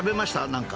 何か。